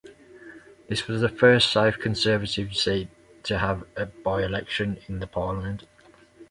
This was the first safe Conservative seat to have a by-election in the Parliament.